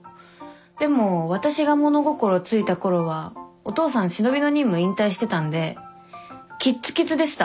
でも私が物心ついたころはお父さん忍びの任務引退してたんできっつきつでした。